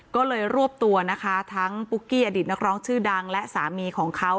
ก็เลยรวบตัวนะคะทั้งปุ๊กกี้อดีตนักร้องชื่อดังและสามีของเขา